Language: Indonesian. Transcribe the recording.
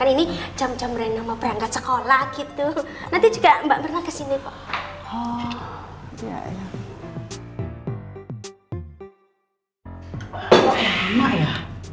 ini jam jam renama berangkat sekolah gitu nanti juga mbak pernah kesini oh iya iya